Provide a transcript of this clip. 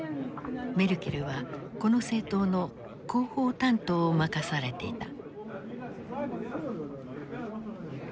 メルケルはこの政党の広報担当を任されていた。